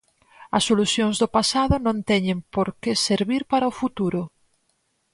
As solucións do pasado non teñen por que servir para o futuro.